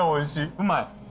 うまい？